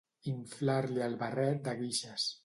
Inflar-li el barret de guixes.